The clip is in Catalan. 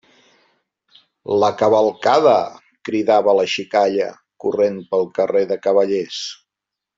La cavalcada! –cridava la xicalla corrent pel carrer de Cavallers.